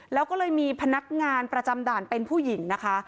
แล้วก็เลยมีพนักงานประจำด่านเป็นผู้หญิงนะคะ